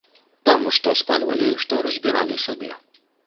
Там што спальвалі, што разбіралі сабе.